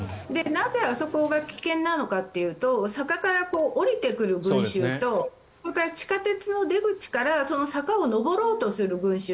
なぜ、あそこが危険なのかというと坂から下りてくる群衆とそれから地下鉄の出口からその坂を上ろうとする群衆。